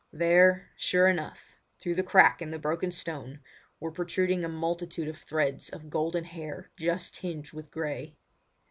There, sure enough, through the crack in the broken stone were protruding a multitude of threads of golden hair just tinged with grey!